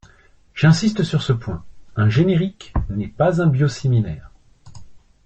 J’insiste sur ce point : un générique n’est pas un biosimilaire.